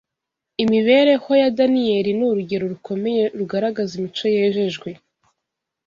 Imibereho ya Daniyeli ni urugero rukomeye rugaragaza imico yejejwe